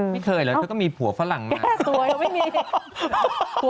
ไม่เคยแล้วเขาก็มีผัวฝรั่งมาก